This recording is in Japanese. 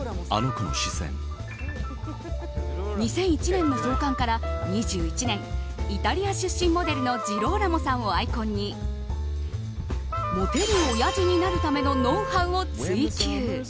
２００１年の創刊から２１年イタリア出身モデルのジローラモさんをアイコンにモテるオヤジになるためのノウハウを追求。